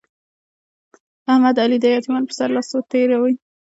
احمد د علي د يتيمانو پر سر لاس ور تېروي.